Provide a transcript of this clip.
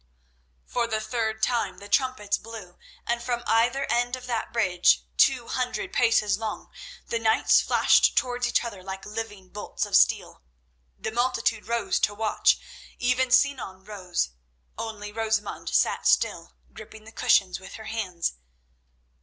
For the third time the trumpets blew, and from either end of that bridge, two hundred paces long, the knights flashed towards each other like living bolts of steel. The multitude rose to watch; even Sinan rose. Only Rosamund sat still, gripping the cushions with her hands.